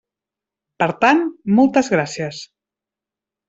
Per tant, moltes gràcies.